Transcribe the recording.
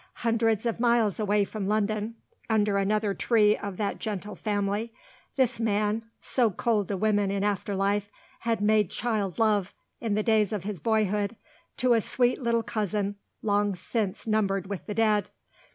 Hundreds of miles away from London, under another tree of that gentle family, this man so cold to women in after life had made child love, in the days of his boyhood, to a sweet little cousin long since numbered with the dead.